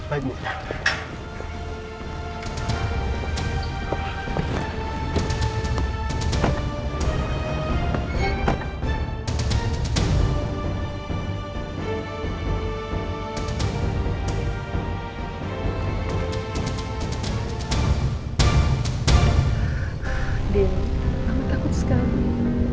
andin aku takut sekali